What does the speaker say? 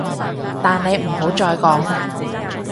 但你唔好再講